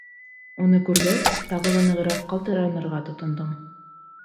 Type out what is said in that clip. Уны күргәс тағы ла нығыраҡ ҡалтыранырға тотондом.